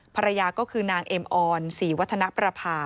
ภรรยาก็คือนางเอ็มออนศรีวัฒนประภา